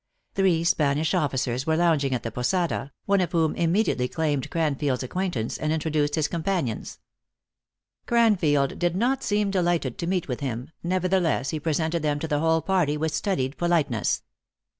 Three Spanish of ficers were lounging at the posada, one of whom im THE ACTRESS IN HIGH LIFE. 287 mediately claimed Cranfield s acquaintance, and intro duced his companions. Cranfield did not seem de lighted to meet with him, nevertheless he presented them to the whole party with studied politeness.